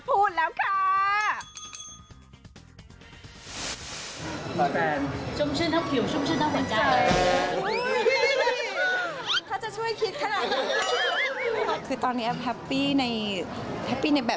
พูดแล้วค่ะ